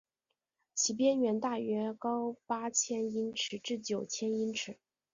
其边缘大约高八千英尺至九千英尺。